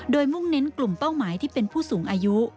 โดยมุ่งเน้นกลุ่มเป้าหมายที่เป็นผู้สูงอายุ